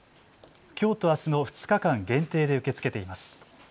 きょうとあすの２日間限定で受け付けています。